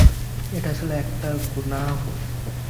এটা ছিল একটা গ্রহাণু।